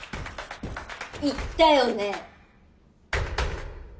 言ったよね？